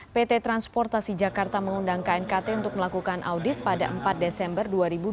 pt transportasi jakarta mengundang knkt untuk melakukan audit pada empat desember dua ribu dua puluh